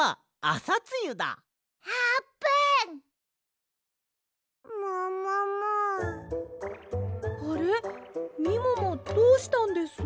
あれみももどうしたんです？